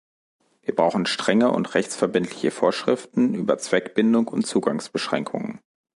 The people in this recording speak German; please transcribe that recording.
Wir brauchen strenge und rechtsverbindliche Vorschriften über Zweckbindung und Zugangsbeschränkungen.